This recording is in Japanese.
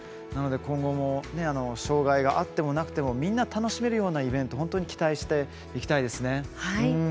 今後も障害があってもなくてもみんな楽しめるようなイベント期待していきたいですね。